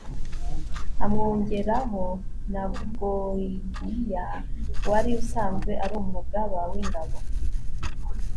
amwongeraho na gorigiya, wari usanzwe ari umugaba w'ingabo